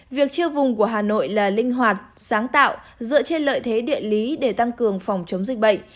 việc chia vùng của hà nội là linh hoạt sáng tạo dựa trên lợi thế địa lý để tăng cường phòng chống dịch bệnh